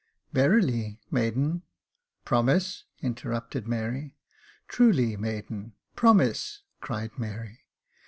"Verily, maiden " "Promise," interrupted Mary. "Truly, maiden " "Promise," cried Mary.